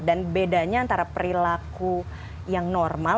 dan bedanya antara perilaku yang normal